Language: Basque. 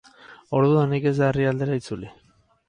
Ordudanik ez da herrialdera itzuli.